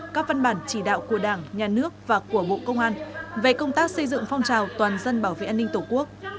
các văn bản chỉ đạo của đảng nhà nước và của bộ công an về công tác xây dựng phong trào toàn dân bảo vệ an ninh tổ quốc